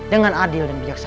dengan adil dan bijaksana